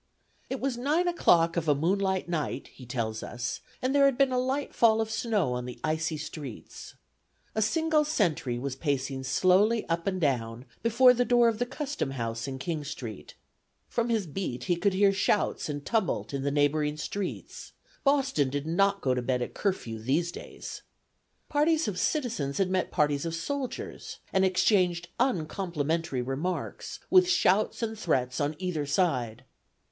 It was nine o'clock of a moonlight night, he tells us, and there had been a light fall of snow on the icy streets. A single sentry was pacing slowly up and down before the door of the custom house in King Street. From his beat he could hear shouts and tumult in the neighboring streets; Boston did not go to bed at curfew these days. Parties of citizens had met parties of soldiers, and exchanged uncomplimentary remarks, with shouts and threats on either side.